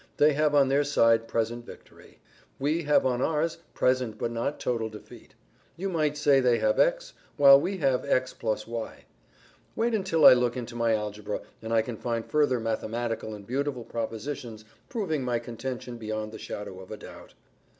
They have on their side present victory. We have on ours present but not total defeat. You might say they have x, while we have x + y. Wait until I look into my algebra, and I can find further mathematical and beautiful propositions proving my contention beyond the shadow of a doubt."